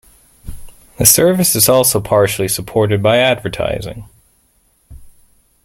The service is also partially supported by advertising.